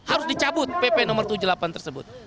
harus dicabut pp no tujuh puluh delapan tersebut